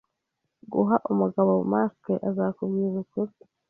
Guha umugabo mask azakubwiza ukuri.